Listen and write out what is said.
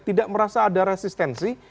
tidak merasa ada resistensi